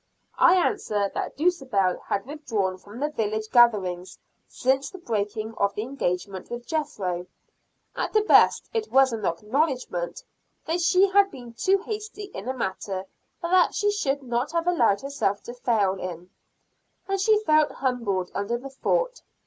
I answer that Dulcibel had withdrawn from the village gatherings since the breaking of the engagement with Jethro. At the best, it was an acknowledgment that she had been too hasty in a matter that she should not have allowed herself to fail in; and she felt humbled under the thought.